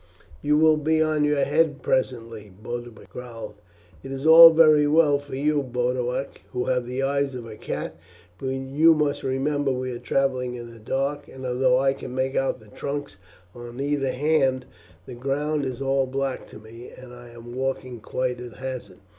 "You will be on your head presently," Boduoc growled. "It is all very well for you, Boduoc, who have the eyes of a cat; but you must remember we are travelling in the dark, and although I can make out the trunks on either hand the ground is all black to me, and I am walking quite at hazard."